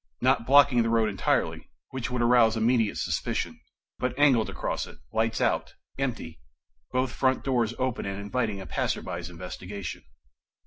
Not blocking the road entirely, which would arouse immediate suspicion, but angled across it, lights out, empty, both front doors open and inviting a passerby's investigation.